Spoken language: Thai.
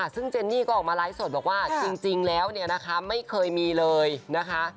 ซึ่งเจนนี่ก็ออกมาไลฟ์สดบอกว่าจริงแล้วเนี่ยนะคะไม่เคยมีเลยนะคะ